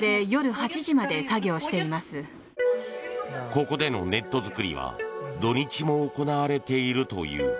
ここでのネット作りは土日も行われているという。